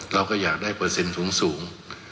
เราก็อยากได้เปอร์เซ็นต์สูง